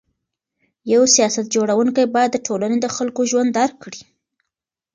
یو سیاست جوړونکی باید د ټولني د خلکو ژوند درک کړي.